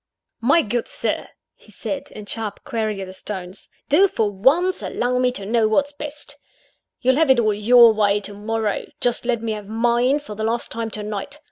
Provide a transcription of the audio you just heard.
"My good Sir!" he said, in sharp, querulous tones, "do, for once, allow me to know what's best. You'll have it all your way to morrow just let me have mine, for the last time, to night.